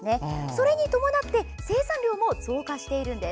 それに伴って生産量も増加しているんです。